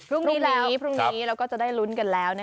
พรุ่งนี้เราก็จะได้ลุ้นกันแล้ว